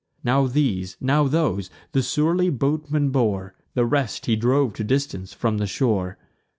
Now these, now those, the surly boatman bore: The rest he drove to distance from the shore.